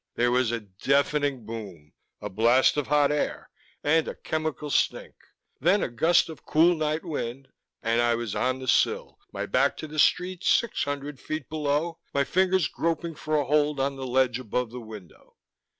There was a deafening boom, a blast of hot air, and a chemical stink, then a gust of cool night wind and I was on the sill, my back to the street six hundred feet below, my fingers groping for a hold on the ledge above the window.